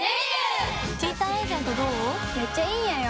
めっちゃいいんやよ。